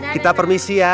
kita permisi ya